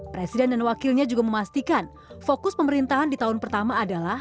presiden dan wakilnya juga memastikan fokus pemerintahan di tahun pertama adalah